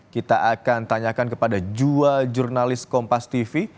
kita akan tanyakan kepada dua jurnalis kompastv